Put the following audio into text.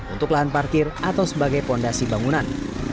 untuk lahan parkir atau sebagai fondasi bangunan